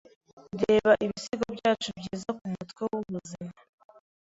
Reba ibisigo byacu byiza kumutwe wubuzima.